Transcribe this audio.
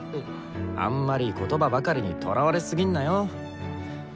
あんまり言葉ばかりにとらわれすぎんなよ。